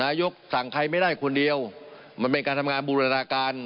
สั่งใครไม่ได้คนเดียวมันเป็นการทำงานบูรณาการ